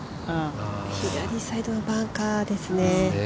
左サイドのバンカーですね。